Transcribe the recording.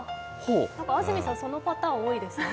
安住さん、そのパターン多いですね。